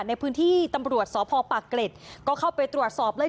ในพื้นที่ตำรวจสพปากเกร็ดก็เข้าไปตรวจสอบเลย